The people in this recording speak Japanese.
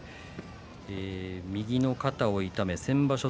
右の肩を痛め先場所